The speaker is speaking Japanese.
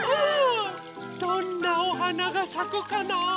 どんなおはながさくかな。